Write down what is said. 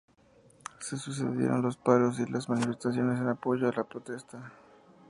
Se sucedieron los paros y las manifestaciones en apoyo a la protesta.